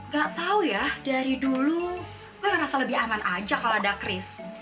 gak tau ya dari dulu gue ngerasa lebih aman aja kalau ada kris